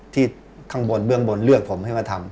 ข้างบนเบื้องบนเลือกผมให้มาทำ